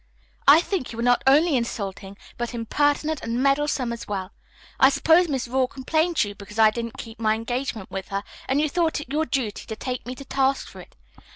"I think you are not only insulting, but impertinent and meddlesome as well. I suppose Miss Rawle complained to you because I didn't keep my engagement with her and you thought it your duty to take me to task for it.